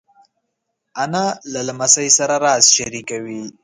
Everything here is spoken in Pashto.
انا له لمسۍ سره راز شریکوي